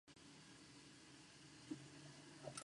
Tras la derrota es designado ministro de Trabajo por Lula.